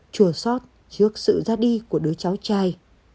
chùa sót trước sự ra đi của đứa cháu trai